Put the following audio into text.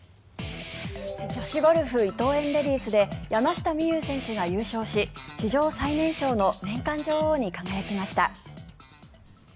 女子ゴルフ伊藤園レディスで山下美夢有選手が優勝し史上最年少の年間女王に輝きました。